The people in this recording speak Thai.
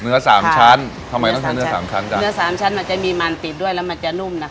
เนื้อสามชั้นทำไมต้องใช้เนื้อสามชั้นจ้ะ